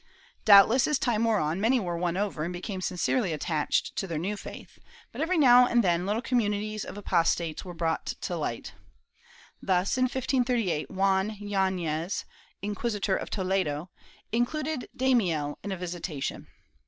^ Doubtless, as time wore on, many were won over and became sincerely attached to their new faith, but every now and then little communities of apostates were brought to light. Thus, in 1538, Juan Yanes, Inquisitor of Toledo, included Daimiel in a visitation.